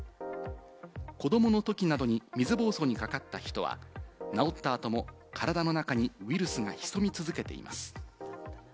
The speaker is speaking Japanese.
子どものときなどに水ぼうそうにかかった人は、治った後も体の中にウイルスが潜み続けています。